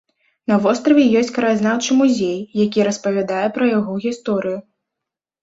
На востраве ёсць краязнаўчы музей, які распавядае пра яго гісторыю.